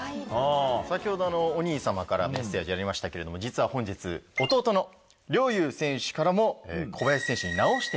先ほどお兄様からメッセージありましたけれども実は本日弟の陵侑選手からも小林選手に。